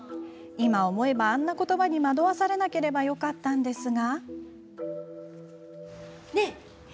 今、思えばあんなことばに惑わされなければよかったんですが。